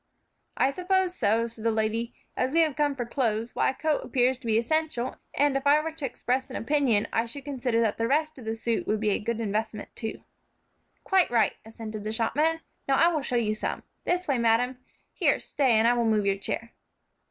"I suppose so," said the old lady, "as we have come for clothes; why, a coat appears to be essential, and if I were to express an opinion, I should consider that the rest of the suit would be a good investment, too." "Quite right," assented the shopman. "Now I will show you some. This way, madam; here, stay, and I will move your chair."